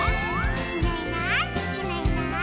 「いないいないいないいない」